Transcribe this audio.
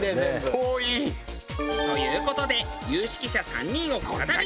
遠い！という事で有識者３人を再び招集。